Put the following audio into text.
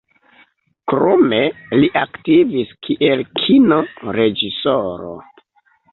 Krome li aktivis kiel Kino-reĝisoro.